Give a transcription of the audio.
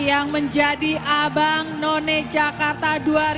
yang menjadi abang none jakarta dua ribu dua puluh